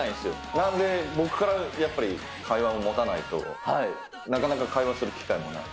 なので、僕からやっぱり会話を持たないと、なかなか会話する機会もない。